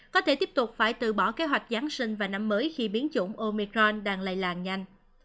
có thể tiếp tục phải từ bỏ kế hoạch giáng sinh và năm mới khi biến chủng omecron đang lây lan nhanh